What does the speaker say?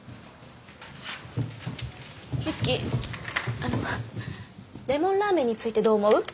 美月あのレモンラーメンについてどう思う？